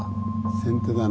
先手だな。